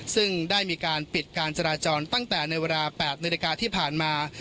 ซึ่งได้มีการปิดการจราจรตั้งแต่ในเวลา๘นาฬิกาที่ผ่านมา